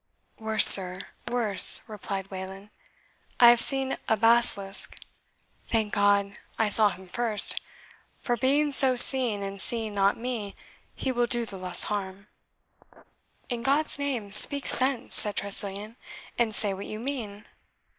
"Worse, sir, worse," replied Wayland; "I have seen a basilisk. Thank God, I saw him first; for being so seen, and seeing not me, he will do the less harm." "In God's name, speak sense," said Tressilian, "and say what you mean."